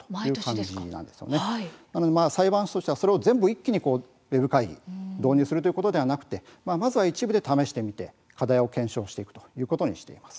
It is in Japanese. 新たに裁判所としては全部一気にウェブ会議を導入するということではなくて一部で試してみて課題を検証していくということになっています。